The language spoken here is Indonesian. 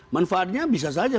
manfaatnya itu apa kira kira